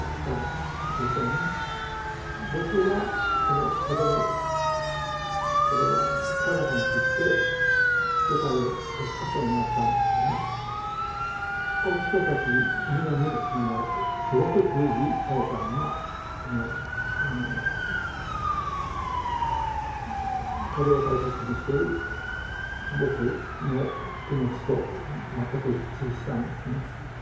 僕がその風のこれはキャラバンっていって世界を６か所回ったんですがこの人たち皆にすごく通じ合えたのは風を大切にしてる僕の気持ちと全く一致したんですね。